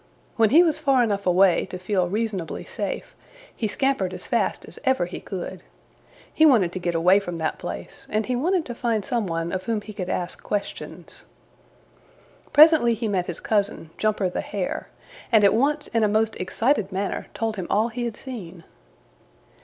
When he was far enough away to feel reasonably safe, he scampered as fast as ever he could. He wanted to get away from that place, and he wanted to find some one of whom he could ask questions. Presently he met his cousin, Jumper the Hare, and at once in a most excited manner told him all he had seen.